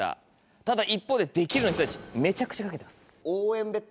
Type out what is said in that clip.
ただ一方で「できる」の人たちめちゃくちゃ賭けてます。